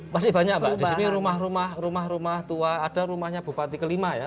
masih banyak mbak di sini rumah rumah tua ada rumahnya bupati kelima ya